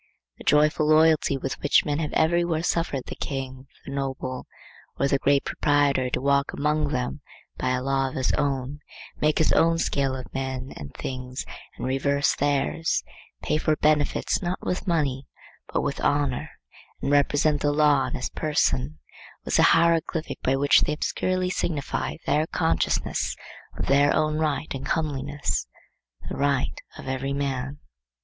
The joyful loyalty with which men have everywhere suffered the king, the noble, or the great proprietor to walk among them by a law of his own, make his own scale of men and things and reverse theirs, pay for benefits not with money but with honor, and represent the law in his person, was the hieroglyphic by which they obscurely signified their consciousness of their own right and comeliness, the right of every man.